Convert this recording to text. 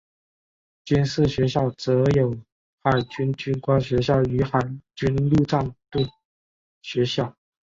军事学校则有海军军官学校与海军陆战队学校。